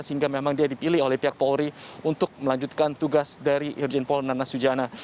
sehingga memang dia dipilih oleh pihak polri untuk melanjutkan tugas dari irjen paul nana sujana